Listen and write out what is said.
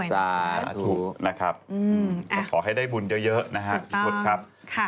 สาธุนะครับก็โปรให้ได้บุญเยอะนะครับ